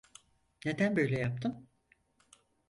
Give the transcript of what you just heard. Neden böyle yaptın?